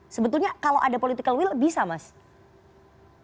tapi tempo memotretnya sebetulnya kalau ada political will bisa mas